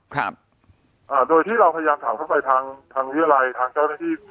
ครับอ่าโดยที่เราพยายามถามเข้าไปทางทางวิทยาลัยทางเจ้าหน้าที่